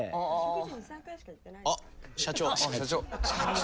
「あっ社長！」